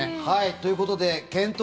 ということで検討